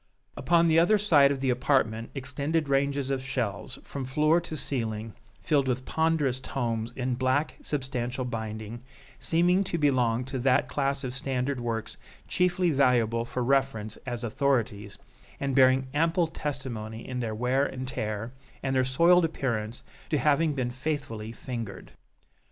Upon the other side of the apartment extend ranges of shelves, from floor to ceiling, filled with ponderous tomes in black substantial binding, seeming to belong to that class of standard works chiefly valuable for reference as authorities, and bearing ample testimony in their wear and tear, and their soiled appearance, to having been faithfully fingered.